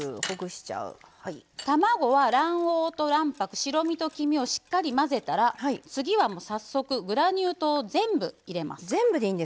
卵は卵黄と卵白白身と黄身を、しっかり混ぜたら次は、早速グラニュー糖全部入れます。